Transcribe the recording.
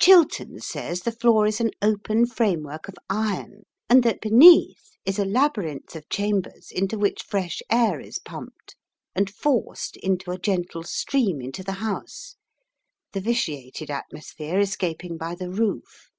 Chiltern says the floor is an open framework of iron, and that beneath is a labyrinth of chambers into which fresh air is pumped and forced in a gentle stream into the House, the vitiated atmosphere escaping by the roof.